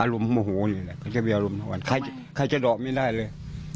โมโหนี่แหละเขาจะมีอารมณ์ทั้งวันใครจะดอกไม่ได้เลย